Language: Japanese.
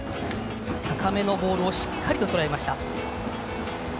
高めのボールをしっかりととらえました。